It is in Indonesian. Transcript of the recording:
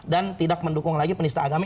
dan tidak mendukung lagi penista agama